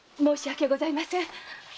申し訳ございません。